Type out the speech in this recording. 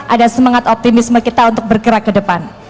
ada semangat optimisme kita untuk bergerak ke depan